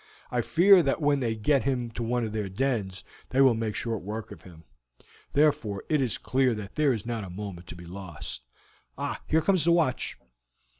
I fear that when they get him into one of their dens they will make short work of him, therefore it is clear that there is not a moment to be lost. Ah, here comes the watch."